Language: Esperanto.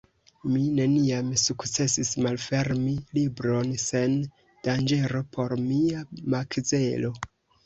Mi neniam sukcesis malfermi libron sen danĝero por mia makzelo.